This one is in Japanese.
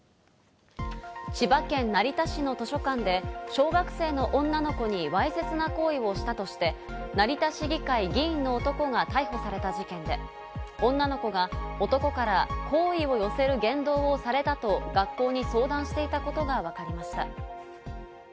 千葉県成田市の図書館で小学生の女の子にわいせつな行為をしたとして、成田市議会議員の男が逮捕された事件で、女の子が男から好意を寄せる言動をされたと学校に相談していたことがわかりました。